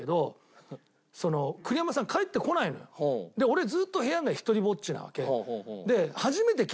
俺ずーっと部屋で一人ぼっちなわけ。